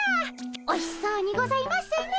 おいしそうにございますね。